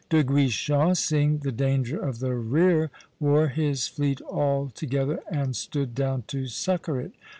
De Guichen, seeing the danger of the rear, wore his fleet all together and stood down to succor it.